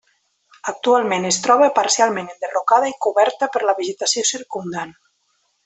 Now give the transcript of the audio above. Actualment es troba parcialment enderrocada i coberta per la vegetació circumdant.